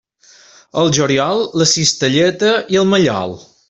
Al juliol, la cistelleta i el mallol.